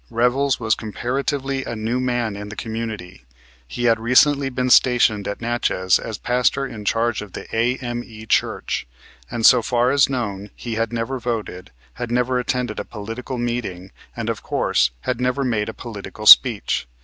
Revels was comparatively a new man in the community. He had recently been stationed at Natchez as pastor in charge of the A.M.E. Church, and so far as known he had never voted, had never attended a political meeting, and of course, had never made a political speech.